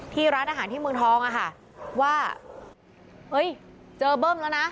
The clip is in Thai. ร้านอาหารที่เมืองทองอะค่ะว่าเฮ้ยเจอเบิ้มแล้วนะ